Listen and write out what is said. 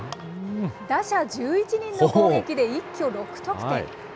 打者１１人の攻撃で一挙６得点。